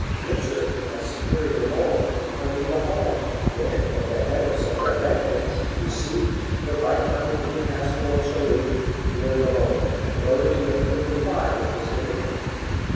Richard, as superior lord, claimed the whole; and, at the head of some Brabançons, besieged the viscount in the castle of Chalus, near Limoges, in order to make him comply with his demand.